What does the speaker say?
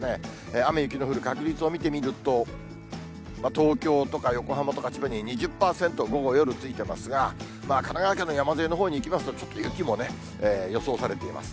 雨、雪の降る確率を見てみると、東京とか横浜とか千葉には２０％、午後、夜、ついてますが、神奈川県の山沿いのほうに行きますと、ちょっと雪もね、予想されています。